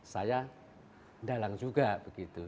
saya dalang juga begitu